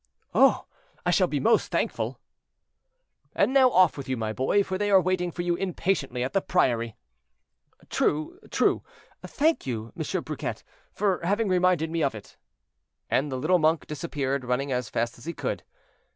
"Oh! I shall be most thankful." "And now off with you, my boy, for they are waiting for you impatiently at the priory." "True, true. Thank you, Monsieur Briquet, for having reminded me of it." And the little monk disappeared, running as fast as he could.